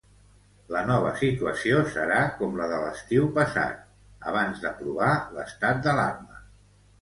La nova situació serà com la de l'estiu passat, abans d'aprovar l'estat d'alarma.